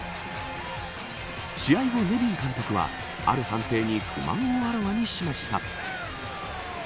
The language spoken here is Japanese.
試合後、ネビン監督はある判定に不満をあらわにしました。